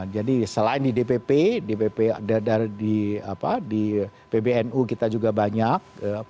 jadi selain di dpp di pbnu kita juga banyak